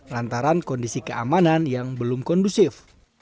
lantaran kondisi keamanan yang belum kondusif